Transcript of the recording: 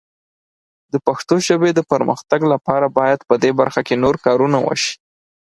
د پښتو ژبې د پرمختګ لپاره باید په دې برخه کې نور کارونه وشي.